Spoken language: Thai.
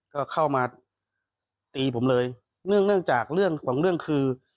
ก็เข้ามาตีผมเลยเนื่องเนื่องจากเรื่องของเรื่องคือ